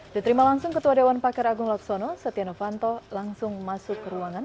diterima langsung ketua dewan pakar agung laksono setia novanto langsung masuk ke ruangan